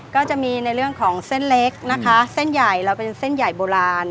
ก็จะมีในเรื่องของเส้นเล็กนะคะเส้นใหญ่เราเป็นเส้นใหญ่โบราณ